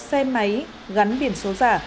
xe máy gắn biển số giả